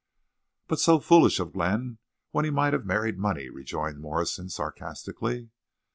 "But so foolish of Glenn when he might have married money," rejoined Morrison, sarcastcally.